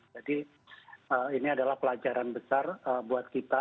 jadi ini adalah pelajaran besar buat kita